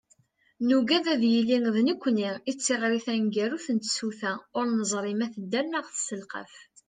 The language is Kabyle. Nugad ad yili d nekkni i d tiɣri taneggarut n tsuta ur neẓri ma tedder neɣ tesselqaf.